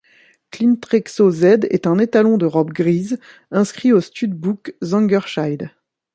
Clintrexo Z est un étalon de robe grise, inscrit au stud-book Zangersheide.